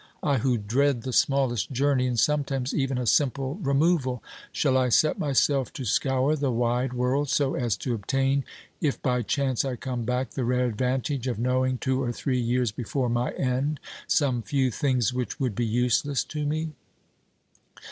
I who dread the smallest journey, and sometimes even a simple re moval, shall 1 set myself to scour the wide world so as to obtain, if by chance I come back, the rare advantage of knowing, two or three years before my end, some few things which would be useless to me?